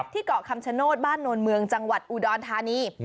เกาะคำชโนธบ้านโนนเมืองจังหวัดอุดรธานี